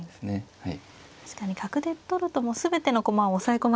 はい。